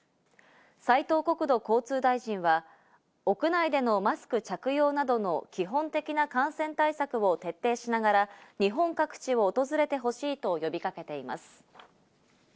斉藤国土交通大臣は、屋内でのマスク着用などの基本的な感染対策を徹底しながら日本各地を訪れてほしいと呼びかけています。